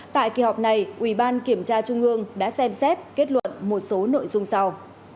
tại kỳ họp này ubkt đã xem xét kết luận một số nội dung sau